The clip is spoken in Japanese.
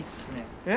えっ？